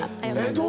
どう？